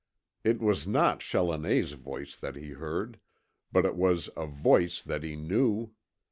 It was not Challoner's voice that he heard, but it was A VOICE THAT HE KNEW.